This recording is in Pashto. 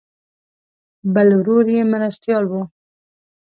بل ورور یې مرستیال و.